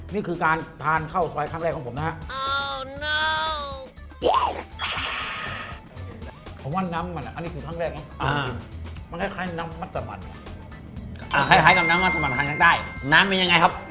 นี่คือการทานข้าวซอยครั้งแรกของผมนะครับ